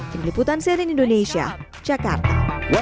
peneliputan seri indonesia jakarta